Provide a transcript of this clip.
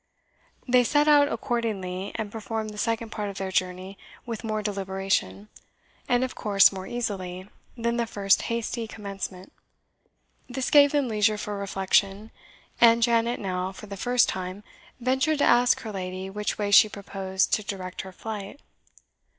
They set out accordingly, and performed the second part of their journey with more deliberation, and of course more easily, than the first hasty commencement. This gave them leisure for reflection; and Janet now, for the first time, ventured to ask her lady which way she proposed to direct her flight.